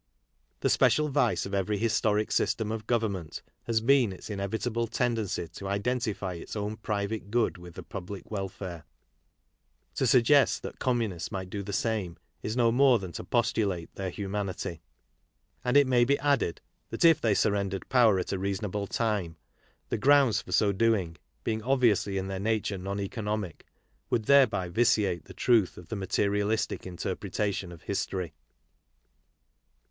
The special vice of every historic system of government has been its inevitable tendency to identify its own private good with the gublic welfare. To suggest that communists might do the same is no more than to postulate their humanity. And it may be added that if they surrendered power at a reasonable time, the grounds for so doing, being obviously in their KARL MARX 43 nature non economic, would thereby vitiate the truth of the materialistic interpretation of history.